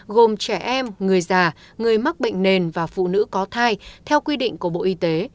gồm trẻ em người già người mắc bệnh nền và phụ nữ có thai theo quy định của bộ y tế